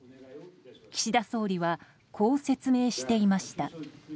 岸田総理はこう説明していました。